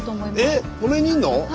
えっこの辺にいんの？